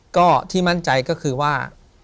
ก็ที่มั่นใจก็คือว่า